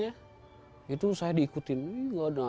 yang diperkirakan sebagai dakwa dan dakwa tentang kekosongan